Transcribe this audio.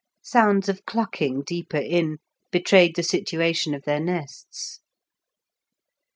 Sounds of clucking deeper in betrayed the situation of their nests.